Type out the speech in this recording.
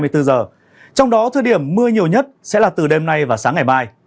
trong đó thời điểm mưa nhiều nhất sẽ là từ đêm nay và sáng ngày mai